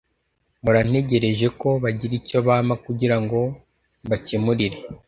Mpora ntegereje ko bagira icyo bampa kugira ngo mbakemurire